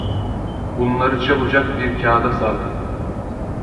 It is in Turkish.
Bunları çabucak bir kâğıda sardım.